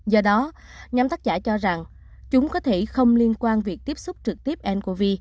do đó nhóm tác giả cho rằng chúng có thể không liên quan việc tiếp xúc trực tiếp ncov